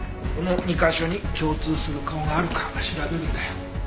この２カ所に共通する顔があるか調べるんだよ。